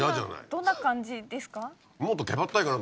どんな感じですか？